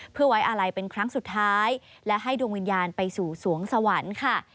เพื่อไว้อาลัยเป็นครั้งสุดท้ายและให้ดวงวิญญาณไปสู่สวงสวรรค์ค่ะ